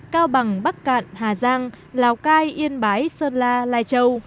cao bằng bắc cạn hà giang lào cai yên bái sơn la lai châu